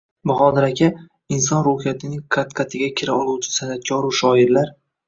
— Bahodir aka, inson ruhiyatining qat-qatiga kira oluvchi san’atkoru shoirlar